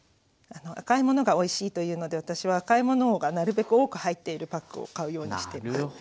赤いものがおいしいというので私は赤いものがなるべく多く入っているパックを買うようにしてます。